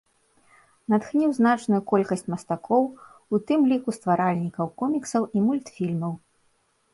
Натхніў значную колькасць мастакоў, у тым ліку стваральнікаў коміксаў і мультфільмаў.